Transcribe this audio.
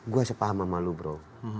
saya sepah sama kamu bro